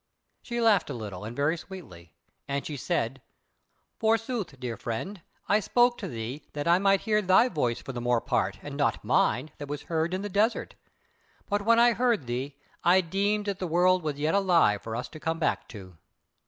She laughed a little and very sweetly, and she said: "Forsooth, dear friend, I spoke to thee that I might hear thy voice for the more part, and not mine, that was heard in the desert; but when I heard thee, I deemed that the world was yet alive for us to come back to."